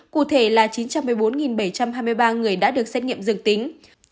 cụ thể là chín trăm một mươi bốn bảy trăm hai mươi ba người đã được xét nghiệm dương tính